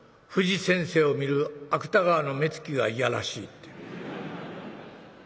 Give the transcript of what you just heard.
「藤先生を見る芥川の目つきが嫌らしいって」。